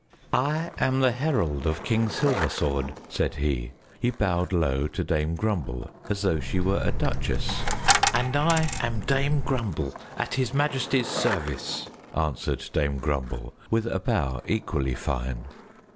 "I am the herald of King Silversword," said he. He bowed low to Dame Grumble as though she were a duchess. "And I am Dame Grumble, at His Majesty's service," answered Dame Grumble, with a bow equally fine.